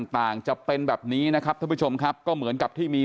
ต่างจะเป็นแบบนี้นะครับท่านผู้ชมครับก็เหมือนกับที่มี